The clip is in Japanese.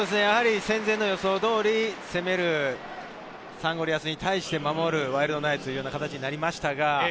戦前の予想通り、攻めるサンゴリアスに対して、守るワイルドナイツという形になりました。